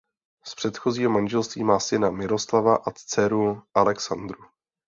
Z předchozího manželství má syna Miroslava a dceru Alexandru.